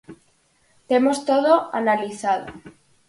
Temos todo analizado.